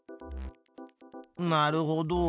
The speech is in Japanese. なるほど。